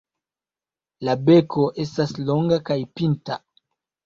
La beko estas longa kaj pinta.